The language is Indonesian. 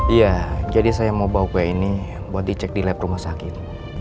iya jadi saya mau bawa kue ini buat dicek di lab rumah sakit